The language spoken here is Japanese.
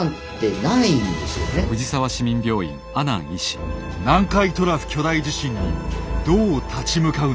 南海トラフ巨大地震にどう立ち向かうのか。